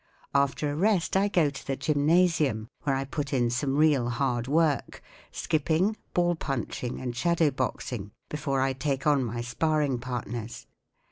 After a rest I go to the gymnasium, where I put in some real hard work skipping, ball punching, and shadow boxing—before I take on my sparring partners.